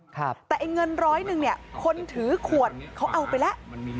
แต่ไอ้เงินร้อยหนึ่งเนี่ยคนถือขวดเขาเอาไปแล้ว